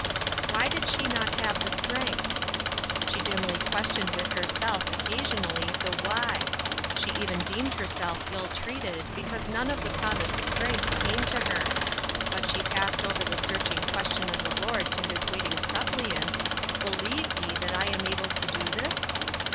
Why did she not have the strength ? She dimly questioned with herself, occasionally, the why ; she even deemed herself ill treated because none of the promised strength came to her ; but she passed over the searching question of the Lord to his waiting suppliant :" Believe ye that I am able to do this